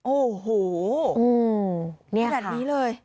โอ้โหแบบนี้เลย